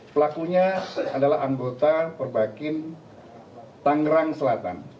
pelakunya adalah anggota perbakin tangerang selatan